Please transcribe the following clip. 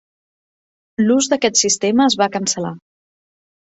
L'ús d'aquest sistema es va cancel·lar.